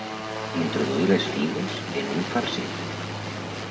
Introduir les figues en un farcit.